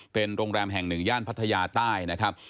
เป็นโรงแรมแห่งหนึ่งย่านพัทยาใต้นะครับ